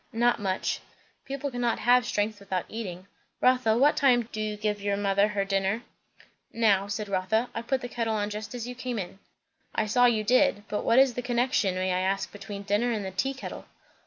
"Not much." "People cannot have strength without eating. Rotha, what time do you give your mother her dinner?" "Now," said Rotha. "I put the kettle on just as you came in." "I saw you did. But what is the connection, may I ask, between dinner and the tea kettle?"